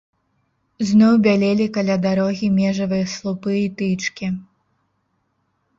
Зноў бялелі каля дарогі межавыя слупы і тычкі.